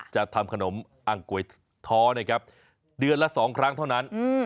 จะทำขนมอังก๋วยท้อนะครับเดือนละ๒ครั้งเท่านั้น